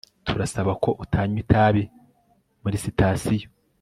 Turasaba ko utanywa itabi muri sitasiyo